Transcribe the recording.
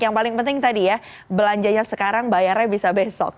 yang paling penting tadi ya belanjanya sekarang bayarnya bisa besok